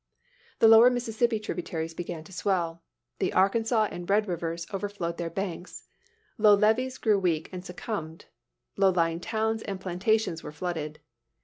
The lower Mississippi tributaries began to swell. The Arkansas and Red Rivers overflowed their banks. Low levees grew weak and succumbed. Low lying towns and plantations were flooded.